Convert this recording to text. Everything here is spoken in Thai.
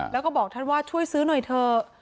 แล้วก็บอกท่านว่าช่วยซื้อหน่อยเถอะ